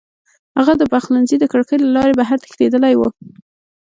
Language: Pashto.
هغه د پخلنځي د کړکۍ له لارې بهر تښتېدلی و